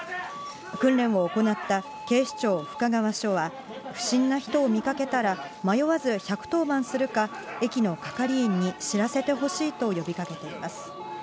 訓練を行った警視庁深川署は、不審な人を見かけたら、迷わず１１０番するか、駅の係員に知らせてほしいと呼びかけています。